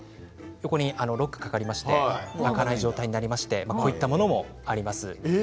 ロックがかかりまして開かない状態になりましてこういったものもあります。